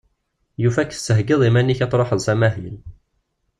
Yufa-k tettheggiḍ iman-ik ad truḥeḍ s amahil.